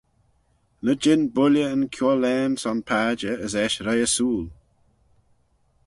Ny jean builley yn kiaullane son padjer as eisht roie ersooyl.